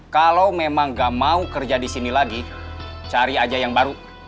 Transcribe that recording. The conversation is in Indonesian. kalau memang gak mau kerja di sini lagi cari aja yang baru